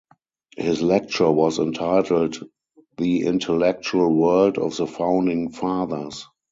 His lecture was entitled "The Intellectual World of the Founding Fathers".